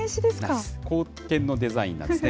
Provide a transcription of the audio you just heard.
硬券のデザインなんですね。